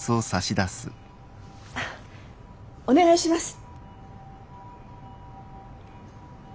お願いします。